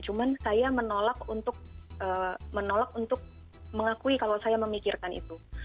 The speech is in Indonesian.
cuma saya menolak untuk mengakui kalau saya memikirkan itu